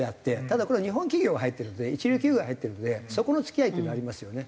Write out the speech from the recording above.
ただこれは日本企業が入ってるので一流企業が入ってるのでそこの付き合いっていうのはありますよね。